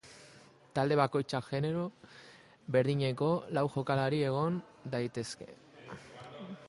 Talde bakoitzak genero berdineko lau jokalari egon daitezke.